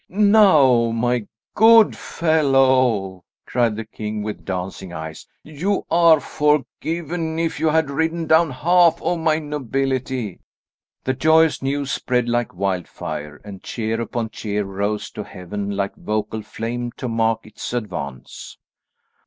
"Now, my good fellow," cried the king with dancing eyes, "you are forgiven if you had ridden down half of my nobility." The joyous news spread like wildfire, and cheer upon cheer rose to heaven like vocal flame to mark its advance.